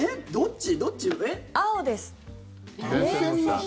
青です。